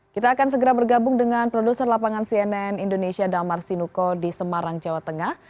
kita akan segera bergabung dengan produser lapangan cnn indonesia damar sinuko di semarang jawa tengah